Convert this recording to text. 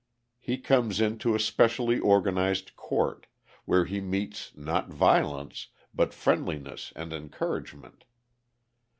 He comes into a specially organised court, where he meets not violence, but friendliness and encouragement.